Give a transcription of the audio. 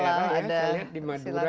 maka di beberapa daerah ya